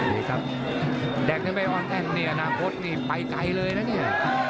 ดีครับแดกนี่ไม่อ่อนแท่งในอนาคตนี่ไปไกลเลยน่ะนี่